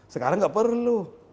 sekarang tidak perlu